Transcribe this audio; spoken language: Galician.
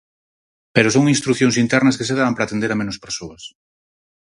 Pero son instrucións internas que se dan para atender a menos persoas.